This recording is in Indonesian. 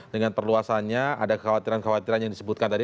dengan perluasannya ada kekhawatiran kekhawatiran yang disebutkan tadi